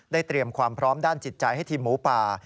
เตรียมความพร้อมด้านจิตใจให้ทีมหมูป่า